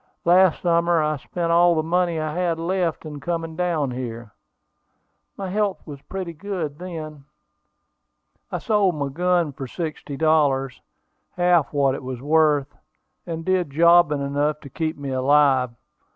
Last summer I spent all the money I had left in coming down here. My health was pretty good then. I sold my gun for sixty dollars, half what it was worth, and did jobbing enough to keep me alive.